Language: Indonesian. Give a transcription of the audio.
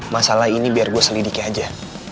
masalah ini biar gue selidiki aja